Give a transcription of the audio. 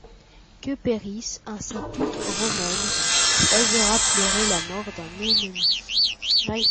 Que périsse ainsi toute Romaine qui osera pleurer la mort d'un ennemi.